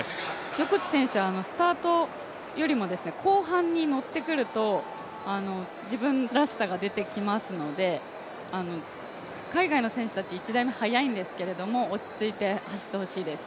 横地選手はスタートよりも後半にのってくると自分らしさが出てきますので、海外の選手たち、１台目速いんですけれども、落ち着いて走ってほしいです。